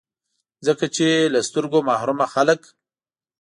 ځکه چي له سترګو محرومه خلګ